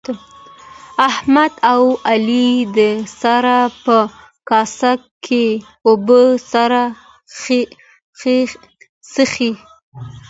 احمد او علي د سر په کاسه کې اوبه سره څښي.